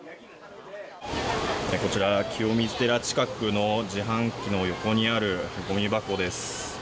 こちら、清水寺近くの自販機の横にあるごみ箱です。